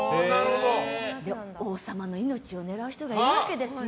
王様の命を狙う人がいるわけですよ。